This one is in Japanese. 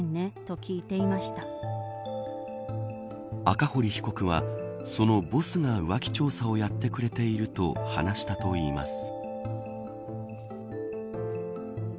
赤堀被告は、そのボスが浮気調査をやってくれていると話したといいます。